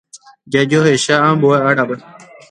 Jajoecha ambue árape.